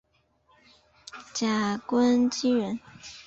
贾敦颐人。